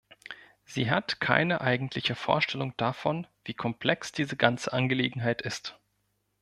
Sie hat keine eigentliche Vorstellung davon, wie komplex diese ganze Angelegenheit ist.